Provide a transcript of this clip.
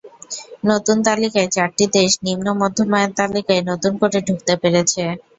নতুন তালিকায় চারটি দেশ নিম্ন মধ্যম আয়ের তালিকায় নতুন করে ঢুকতে পেরেছে।